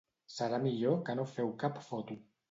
Serà millor que no feu cap foto.